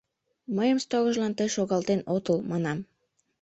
Мыйым сторожлан тый шогалтен отыл, — манам.